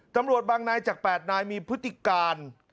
ตำรวจบางนายจาก๘นายมีพฤติการ